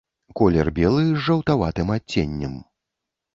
Колер белы з жаўтаватым адценнем.